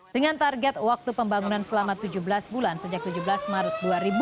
dengan target waktu pembangunan selama tujuh belas bulan sejak tujuh belas maret dua ribu dua puluh